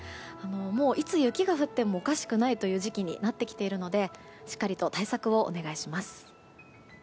いつ雪が降ってもおかしくないという時期になってきているのでしっかりと対策をお願いします。